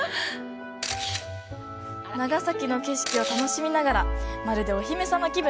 長崎の景色を楽しみながらまるでお姫様気分！